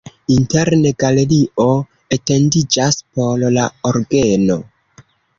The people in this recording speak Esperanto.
Interne galerio etendiĝas por la orgeno.